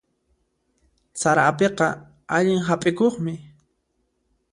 Sara apiqa allin hap'ikuqmi.